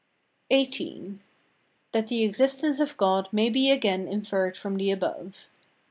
XVIII. That the existence of God may be again inferred from the above.